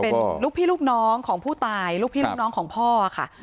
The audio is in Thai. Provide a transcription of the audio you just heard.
เป็นลูกพี่ลูกน้องของผู้ตายลูกพี่ลูกน้องของพ่อค่ะ